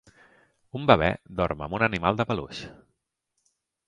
Un bebè dorm amb un animal de peluix.